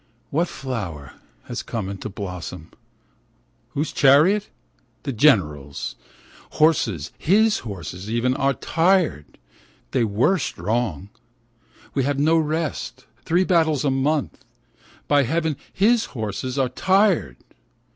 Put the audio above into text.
What flower has come into blossom ? Whose chariot ? The General's. 75 SONG OF THE BOWMEN OF SHU Horses, his horses even, are tired. They were strong. We have no rest, three battles a month. By heaven, his horses are tired.